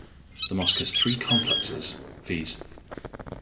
The mosque has three complexes viz.